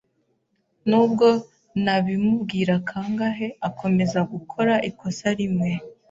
Nubwo nabimubwira kangahe, akomeza gukora ikosa rimwe.